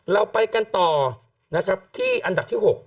เราไปกันต่อที่อันดับที่๖